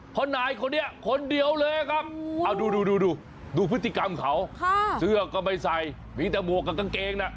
เพราะนายคนนี้คนเดียวเลยครับเอาดูดูพฤติกรรมเขาเสื้อก็ไม่ใส่มีแต่หมวกกับกางเกงนะ